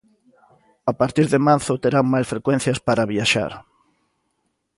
A partir de marzo terán máis frecuencias para viaxar.